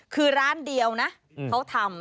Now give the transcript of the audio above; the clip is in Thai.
คือร้านเดียวนะเขาทำ